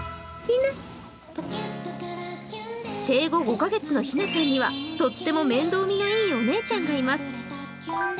生後５カ月のひなちゃんにはとっても面倒見のいいお姉ちゃんがいます。